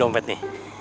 bam kaerem ni